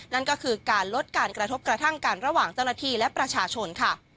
นั่นก็คือการลดการกระทบกระทั่งกันระหว่างเจ้าหน้าที่และประชาชนค่ะ